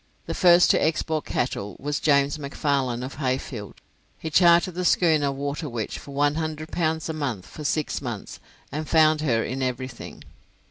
The first to export cattle was James McFarlane of Heyfield. He chartered the schooner 'Waterwitch' for 100 pounds a month for six months, and found her in everything.